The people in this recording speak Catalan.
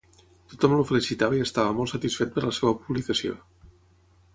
Tothom el felicitava i estava molt satisfet per la seva publicació.